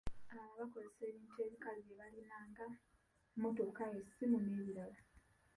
Abalala bakozesa ebintu ebikalu bye balina nga, mmotoka, essimu n'ebirala.